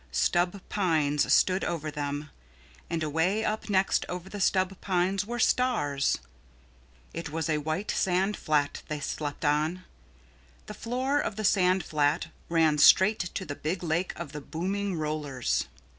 Stub pines stood over them. And away up next over the stub pines were stars. It was a white sand flat they slept on. The floor of the sand flat ran straight to the Big Lake of the Booming Rollers.